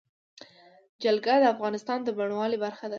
جلګه د افغانستان د بڼوالۍ برخه ده.